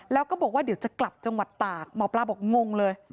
แล้วก็บอกว่าเดี๋ยวจะกลับจังหวัดตากหมอปลาบอกงงเลย